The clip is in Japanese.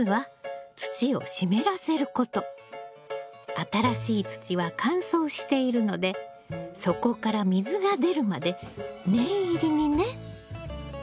新しい土は乾燥しているので底から水が出るまで念入りにね。